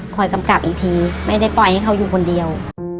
กำกับอีกทีไม่ได้ปล่อยให้เขาอยู่คนเดียว